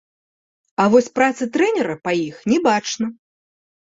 А вось працы трэнера па іх не бачна.